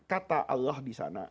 kata allah di sana